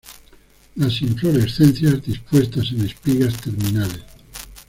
Las inflorescencias dispuestas en espigas terminales.